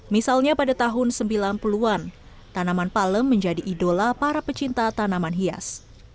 misalnya pada tahun sembilan puluh an tanaman palem menjadi idola para pecinta tanaman hias